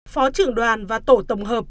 phó trưởng đoàn và tổ tổng hợp